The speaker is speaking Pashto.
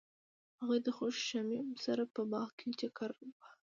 هغوی د خوښ شمیم سره په باغ کې چکر وواهه.